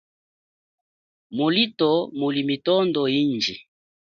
Mulito muli mitondo inji.